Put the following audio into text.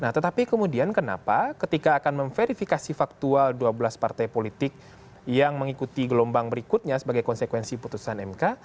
nah tetapi kemudian kenapa ketika akan memverifikasi faktual dua belas partai politik yang mengikuti gelombang berikutnya sebagai konsekuensi putusan mk